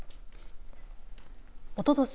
おととし